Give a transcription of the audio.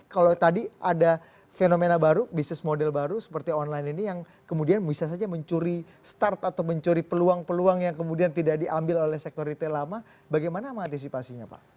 kalau tadi ada fenomena baru bisnis model baru seperti online ini yang kemudian bisa saja mencuri start atau mencuri peluang peluang yang kemudian tidak diambil oleh sektor retail lama bagaimana mengantisipasinya pak